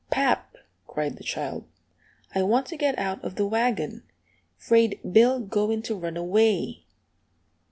"Pap," cried the child, "I want to get out of the wagon. 'Fraid Bill goin' to run away!"